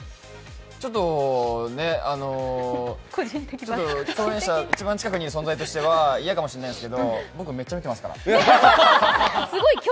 ちょっと一番近くにいる存在としては嫌かもしれないですけど僕、めっちゃ見てますから。